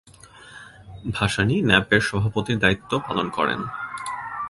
ভাসানী ন্যাপের সভাপতির দায়িত্ব পালন করেন।